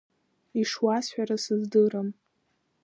Ишуасҳәара сыздырам…